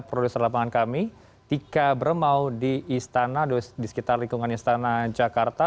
produser lapangan kami tika bremau di sekitar lingkungan istana jakarta